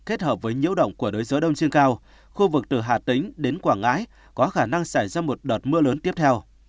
kết hợp với nhiễu động của đới gió đông trên cao khu vực từ hà tĩnh đến quảng ngãi có khả năng xảy ra một đợt mưa lớn tiếp theo